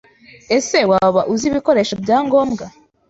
Ese waba uzi ibikoresho bya ngombwa